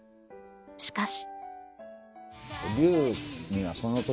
しかし。